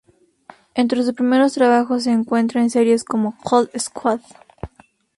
Entre sus primeros trabajos se encuentra en series como "Cold Squad".